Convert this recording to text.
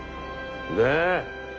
ねえ！